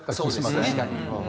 確かに。